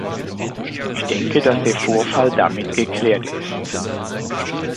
Ich denke, dass der Vorfall damit geklärt ist.